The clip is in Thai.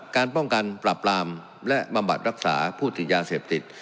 การป้องกันปรับรามและบำบัดรักษาผู้ติดยาเสพติด